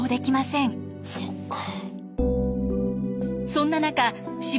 そんな中柴